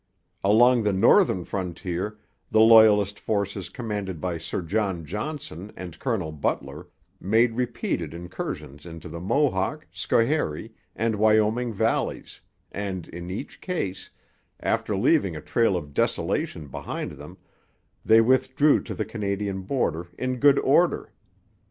Along the northern frontier, the Loyalist forces commanded by Sir John Johnson and Colonel Butler made repeated incursions into the Mohawk, Schoharie, and Wyoming valleys and, in each case, after leaving a trail of desolation behind them, they withdrew to the Canadian border in good order.